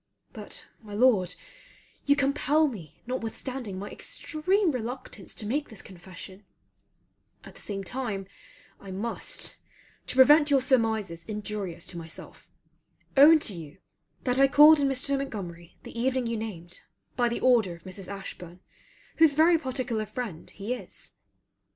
But, my Lord, you compel me notwithstanding my extreme reluctance to make this confession; at the same time I must, to prevent your surmises injurious to myself, own to you that I called on Mr. Montgomery the evening you named by the order of Mrs. Ashburn whose very particular friend he is.